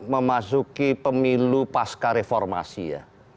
memasuki pemilu pasca reformasi ya